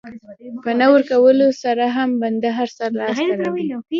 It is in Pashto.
په نه ورکولو سره هم بنده هر څه لاسته راوړي.